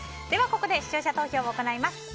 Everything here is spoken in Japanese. ではここで視聴者投票を行います。